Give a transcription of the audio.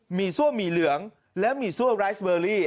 ี่ซั่วหมี่เหลืองและหมี่ซั่วไรสเบอรี่